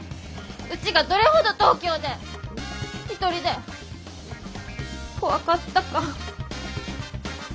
うちがどれほど東京で一人で怖かったか。